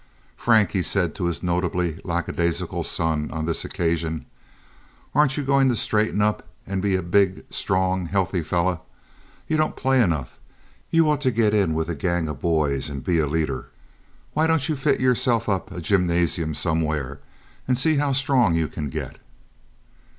"Frank," he said to his notably lackadaisical son on this occasion, "aren't you going to straighten up and be a big, strong, healthy fellow? You don't play enough. You ought to get in with a gang of boys and be a leader. Why don't you fit yourself up a gymnasium somewhere and see how strong you can get?"